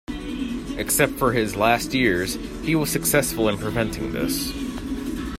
Except for his last years, he was successful in preventing this.